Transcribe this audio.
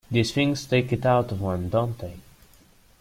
These things take it out of one, don't they?